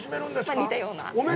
似たような。